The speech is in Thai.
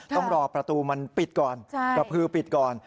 ต้องรอประตูมันปิดก่อนกระพือปิดก่อน